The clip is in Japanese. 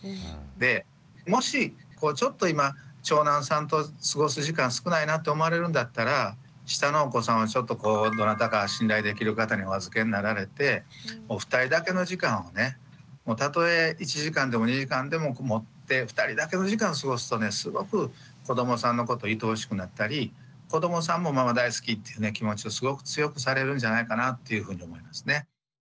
でもしちょっと今長男さんと過ごす時間少ないなって思われるんだったら下のお子さんはちょっとこうどなたか信頼できる方にお預けになられておふたりだけの時間をねたとえ１時間でも２時間でも持ってふたりだけの時間を過ごすとねすごく子どもさんのこといとおしくなったり子どもさんもママ大好きっていう気持ちをすごく強くされるんじゃないかなっていうふうに思いますね。